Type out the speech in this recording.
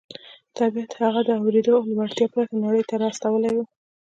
طبیعت هغه د اورېدو له وړتیا پرته نړۍ ته را استولی و